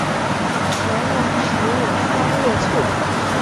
乾隆十年三月卒。